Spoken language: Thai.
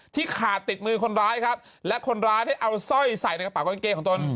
ที่ขาดติดมือคนร้ายครับและคนร้ายได้เอาสร้อยใส่ในกระเป๋ากางเกงของตน